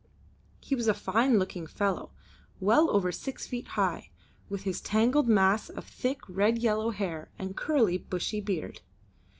He was a fine looking fellow, well over six feet high, with a tangled mass of thick red yellow hair and curly, bushy beard.